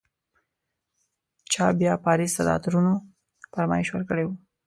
چا بیا پاریس ته د عطرونو فرمایش ورکړی و.